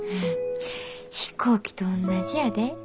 飛行機とおんなじやで。